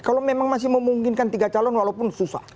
kalau memang masih memungkinkan tiga calon walaupun susah